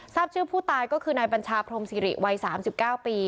ทราบชื่อผู้ตายก็คือนายปัญชาพรมศิริวัยสามสิบเก้าปี